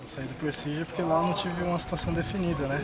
saya keluar dari persija karena saya tidak memiliki situasi yang terbatas